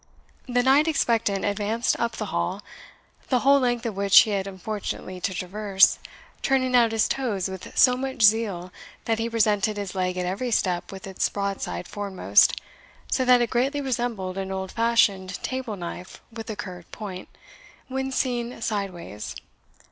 The knight expectant advanced up the hall, the whole length of which he had unfortunately to traverse, turning out his toes with so much zeal that he presented his leg at every step with its broadside foremost, so that it greatly resembled an old fashioned table knife with a curved point, when seen sideways.